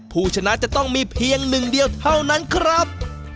ผู้ชนะจะต้องมีเพียงหนึ่งเดียวเท่านั้นครับ